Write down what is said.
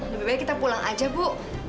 lebih baik kita pulang aja bu